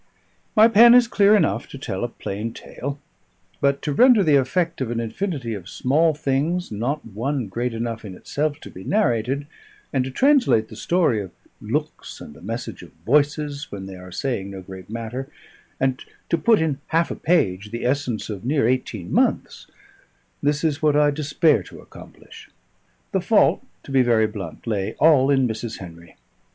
My pen is clear enough to tell a plain tale; but to render the effect of an infinity of small things, not one great enough in itself to be narrated; and to translate the story of looks, and the message of voices when they are saying no great matter; and to put in half a page the essence of near eighteen months this is what I despair to accomplish. The fault, to be very blunt, lay all in Mrs. Henry.